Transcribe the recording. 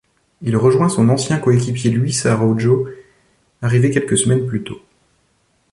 Il rejoint son ancien coéquipier Luiz Araújo arrivé quelques semaines plus tôt.